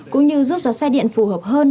cũng như giúp cho xe điện phù hợp hơn